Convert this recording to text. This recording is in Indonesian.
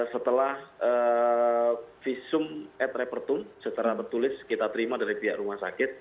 setelah visum ed repertum secara bertulis kita terima dari pihak rumah sakit